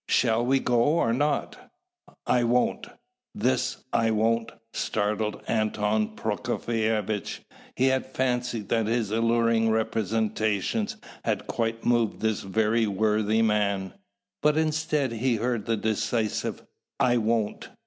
"Shall we go, or not?" "I won't!" This "I won't" startled Anton Prokofievitch. He had fancied that his alluring representations had quite moved this very worthy man; but instead, he heard that decisive "I won't."